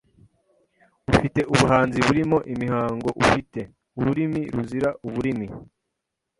Ufite ubuhanzi burimo imihangoUfite ururimi ruzira uburimi